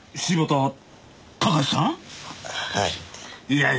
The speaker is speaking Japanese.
はい。